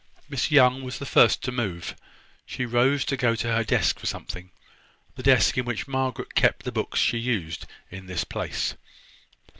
Miss Young was the first to move. She rose to go to her desk for something, the desk in which Margaret kept the books she used in this place.